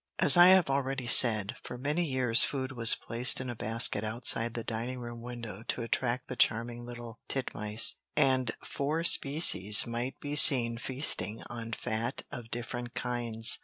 As I have already said, for many years food was placed in a basket outside the dining room window to attract the charming little titmice, and four species might be seen feasting on fat of different kinds.